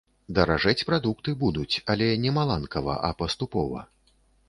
Даражэць прадукты будуць, але не маланкава, а паступова.